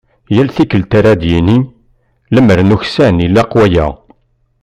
Yal tikkelt ara d-yini: "Lemmer nuksan ilaq waya".